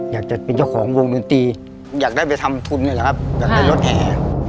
อยากจะเป็นเจ้าของวงดนตรีอยากได้ไปทำทุนนี่แหละครับอยากได้รถแห่